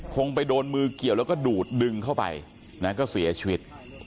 คงไปโดนมือเกี่ยวแล้วก็ดูดดึงเข้าไปนะก็เสียชีวิต